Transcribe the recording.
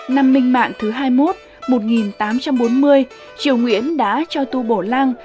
năm minh mạng thứ hai mươi một một nghìn tám trăm bốn mươi triều nguyễn đã cho tu bổ lang